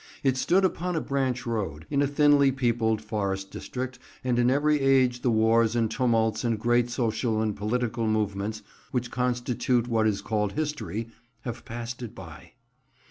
It stood upon a branch road, in a thinly peopled forest district, and in every age the wars and tumults and great social and political movements which constitute what is called "history" have passed it by.